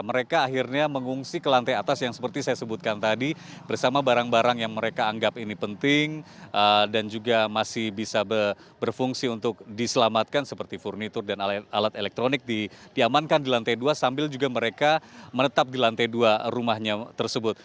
mereka akhirnya mengungsi ke lantai atas yang seperti saya sebutkan tadi bersama barang barang yang mereka anggap ini penting dan juga masih bisa berfungsi untuk diselamatkan seperti furnitur dan alat elektronik diamankan di lantai dua sambil juga mereka menetap di lantai dua rumahnya tersebut